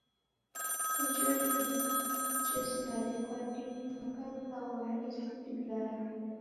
Ijo idima jesindadekwa dii, mpaka dikaghora isi dagala.